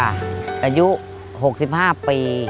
อายุ๖๕ปี